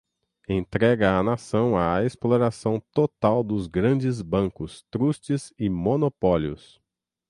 entrega a Nação à exploração total dos grandes bancos, trustes e monopólios